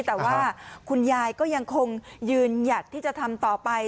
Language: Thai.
แต่ว่าคุณยายก็ยังคงยืนหยัดที่จะทำต่อไป